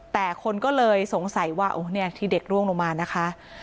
แต่คนก็เลยสงสัยว่าเนี่ยที่เด็กร่วงลงมานะคะ